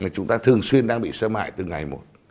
chúng ta thường xuyên đang bị xâm hại từ ngày một